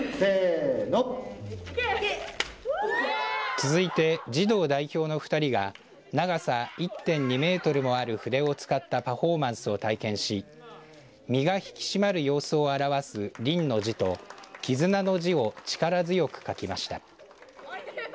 続いて、児童代表の２人が長さ１．２メートルもある筆を使ったパフォーマンスを体験し身が引き締まる様子を表す凛の字と絆の字を力強く書きました。